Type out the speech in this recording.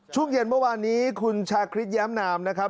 ช่วงเย็นเมื่อวานนี้คุณชาคริสย้ำนาม